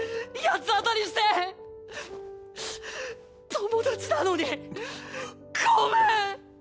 友達なのにごめん！